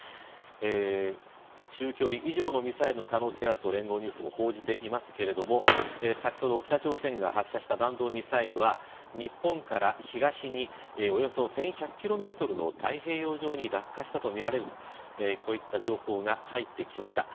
中距離以上のミサイルの可能性があると聯合ニュースも報じていますが先ほど北朝鮮が発射した弾道ミサイルは日本から東におよそ１１００ｋｍの太平洋上に落下したとみられるという情報が入ってきました。